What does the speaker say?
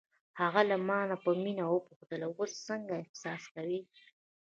هغې له مانه په مینه وپوښتل: اوس څنګه احساس کوې؟